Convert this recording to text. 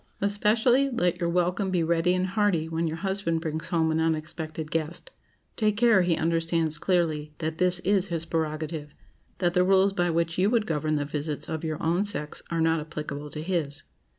Especially, let your welcome be ready and hearty when your husband brings home an unexpected guest. Take care he understands clearly that this is his prerogative: that the rules by which you would govern the visits of your own sex are not applicable to his.